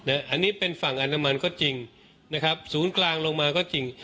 อันนี้เป็นฝั่งอนามันก็จริงนะครับศูนย์กลางลงมาก็จริง